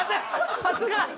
さすが！